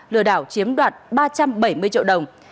lừa đảo chiếm đoạt ba trăm bảy mươi triệu đồng